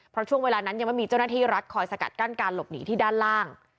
เพราะช่วงเวลานั้นยังไม่มีเจ้าหน้าที่รัฐคอยสกัดกั้นการหลบหนีที่ด้านล่าง